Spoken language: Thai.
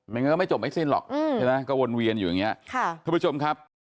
งั้นก็ไม่จบไม่สิ้นหรอกใช่ไหมก็วนเวียนอยู่อย่างเงี้ยค่ะทุกผู้ชมครับ